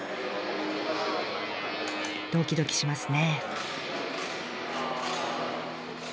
ドキドキしますね。